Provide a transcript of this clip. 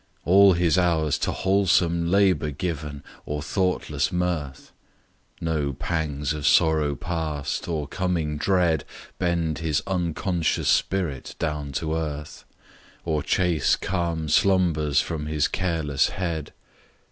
All his hours To wholesome labour given, or thoughtless mirth; No pangs of sorrow past, or coming dread, Bend his unconscious spirit down to earth, Or chase calm slumbers from his careless head!